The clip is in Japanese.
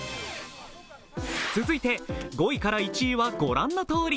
続いて５位から１位はご覧のとおり。